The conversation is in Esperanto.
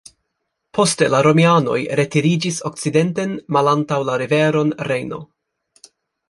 Poste la romianoj retiriĝis okcidenten malantaŭ la riveron Rejno.